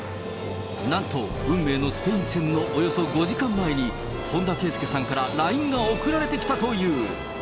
なんと、運命のスペイン戦のおよそ５時間前に、本田圭佑さんからＬＩＮＥが送られてきたという。